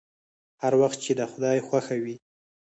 هر وخت چې د خداى خوښه وي.